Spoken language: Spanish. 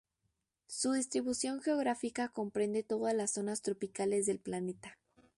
Su distribución geográfica comprende todos las zonas tropicales del planeta.